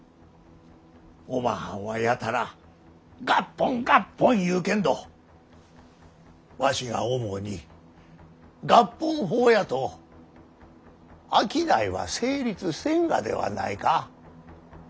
おまはんはやたら合本合本言うけんどわしが思うに合本法やと商いは成立せんがではないか。